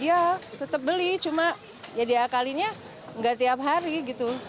iya tetap beli cuma ya diakalinya nggak tiap hari gitu